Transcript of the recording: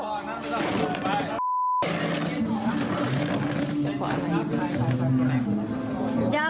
อ๋อเป็นตัดสะวนทำไมแล้ว